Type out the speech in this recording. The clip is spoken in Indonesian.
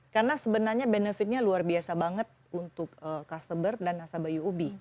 karena sebenarnya benefitnya luar biasa banget untuk customer dan nasabah uob